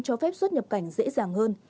cho phép xuất nhập cảnh dễ dàng hơn